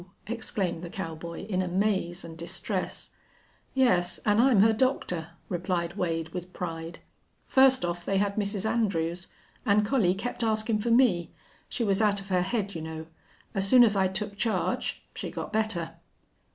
exclaimed the cowboy, in amaze and distress. "Yes, an' I'm her doctor," replied Wade, with pride. "First off they had Mrs. Andrews. An' Collie kept askin' for me. She was out of her head, you know. An' soon as I took charge she got better."